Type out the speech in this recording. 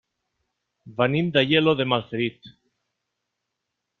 Venim d'Aielo de Malferit.